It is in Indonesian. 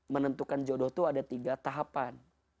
menentukan jodoh itu ada tiga tahapan